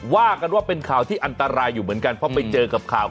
ว่ากันว่าเป็นข่าวที่อันตรายอยู่เหมือนกันเพราะไปเจอกับข่าว